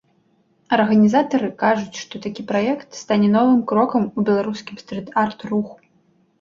Арганізатары кажуць, што такі праект стане новым крокам у беларускім стрыт-арт руху.